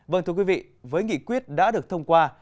vâng thưa quý vị với nghị quyết đã được thông qua